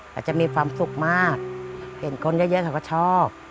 เขาจะมีความสุขมากเห็นคนเยอะเขาก็ชอบ